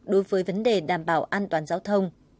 đối với vấn đề đảm bảo an toàn giao thông